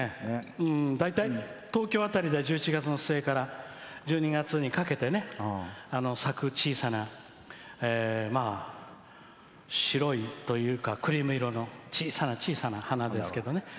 大体、東京辺りでは１１月の末から１２月にかけて咲く小さな白いというかクリーム色の小さな小さな花ですけどね。